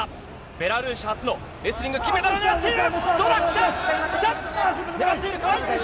ベラルーシ初のレスリング金メダルを狙っている。